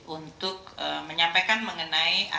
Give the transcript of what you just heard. untuk menyampaikan mengenai asn daerah